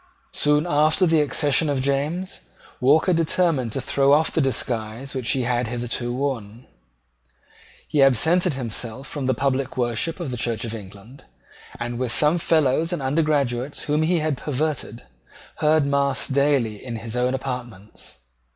Soon after the accession of James, Walker determined to throw off the disguise which he had hitherto worn. He absented himself from the public worship of the Church of England, and, with some fellows and undergraduates whom he had perverted, heard mass daily in his own apartments.